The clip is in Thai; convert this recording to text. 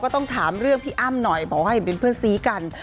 ต้องถามเรื่องพี่อ้ำหน่อยบอกว่าเห็นเป็นเพื่อนซีกัน